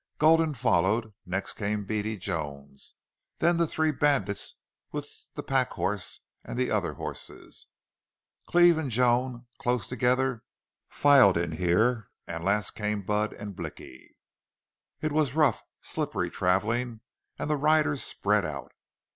Gulden followed; next came Beady Jones; then the three bandits with the pack horse and the other horses; Cleve and Joan, close together, filed in here; and last came Budd and Blicky. It was rough, slippery traveling and the riders spread out.